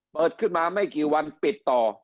เปิดขึ้นมาไม่กี่วันปิดต่อ